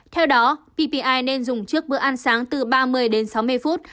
theo đó ppi nên dùng trước bữa ăn sáng từ ba mươi đến sáu mươi phút